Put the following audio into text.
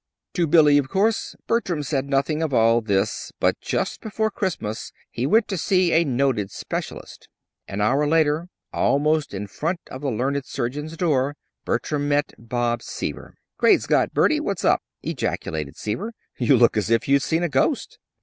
To Billy, of course, Bertram said nothing of all this; but just before Christmas he went to see a noted specialist. An hour later, almost in front of the learned surgeon's door, Bertram met Bob Seaver. "Great Scott, Bertie, what's up?" ejaculated Seaver. "You look as if you'd seen a ghost."